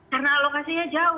karena alokasinya jauh